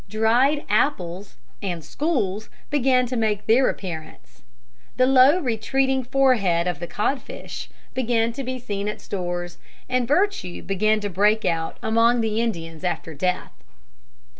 Dried apples and schools began to make their appearance. The low retreating forehead of the codfish began to be seen at the stores, and virtue began to break out among the Indians after death.